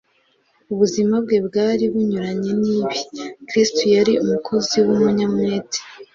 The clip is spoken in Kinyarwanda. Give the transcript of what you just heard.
ubuzima bwe bwari bunyuranye n'ibi. kristo yari umukozi w'umunyamwete